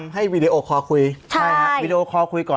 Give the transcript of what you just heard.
ใช่ครับวีดีโอคอล์คุยก่อน